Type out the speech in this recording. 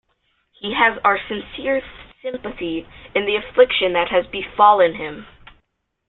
He has our sincere sympathy in the affliction that has befallen him.